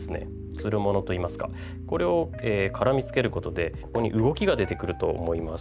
ツルものといいますかこれを絡みつけることでここに動きが出てくると思います。